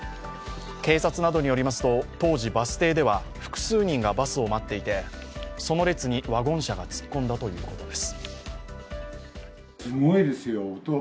警察などによりますと、当時、バス停では複数人がバスを待っていてその列にワゴン車が突っ込んだということです。